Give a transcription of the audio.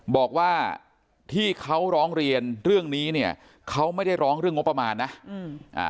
บอกว่าที่เขาร้องเรียนเรื่องนี้เนี่ยเขาไม่ได้ร้องเรื่องงบประมาณนะอืมอ่า